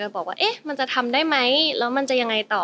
บอกว่ามันจะทำได้ไหมแล้วมันจะยังไงต่อ